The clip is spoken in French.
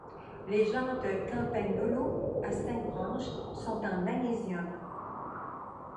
Les jantes Campagnolo à cinq branches sont en magnésium.